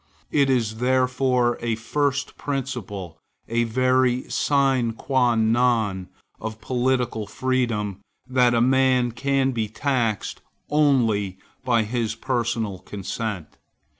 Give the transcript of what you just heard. It is therefore a first principle, a very sine qua non of political freedom, that a man can be taxed only by his personal consent.